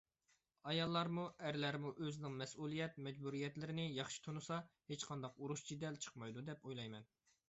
ئاياللارمۇ، ئەرلەرمۇ ئۆزىنىڭ مەسئۇلىيەت، مەجبۇرىيەتلىرىنى ياخشى تونۇسا ھېچقانداق ئۇرۇش-جېدەل چىقمايدۇ دەپ ئويلايمەن.